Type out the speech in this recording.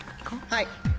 はい。